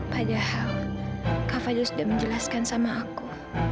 padahal kava dil sudah menjelaskan sama aku